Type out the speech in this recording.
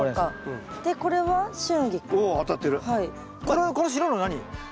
これこの白いの何？